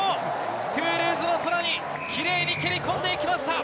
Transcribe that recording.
トゥールーズの空にキレイに蹴り込んでいきました。